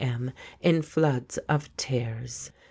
m. in floods of tears.